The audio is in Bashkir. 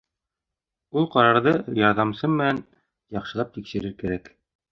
Ул ҡарарҙы ярҙамсым менән яҡшылап тикшерер кәрәк.